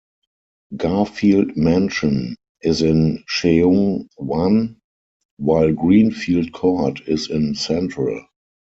Garfield Mansion is in Sheung Wan while Green Field Court is in Central.